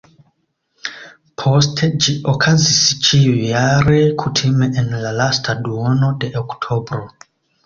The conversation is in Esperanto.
Poste ĝi okazis ĉiujare, kutime en la lasta duono de oktobro.